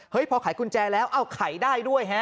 พอขายกุญแจแล้วเอ้าขายได้ด้วยฮะ